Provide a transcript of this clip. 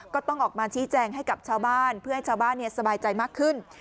ก็ต้องออกมาชี้แจงให้กับชาวบ้านเพื่อให้ชาวบ้านสบายใจมากขึ้น